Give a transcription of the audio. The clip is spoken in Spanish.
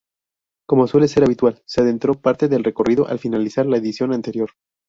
Como suele ser habitual se adelantó parte del recorrido al finalizar la edición anterior.